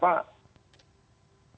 pelaku lain ini